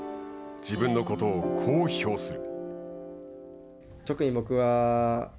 自分のことをこう評する。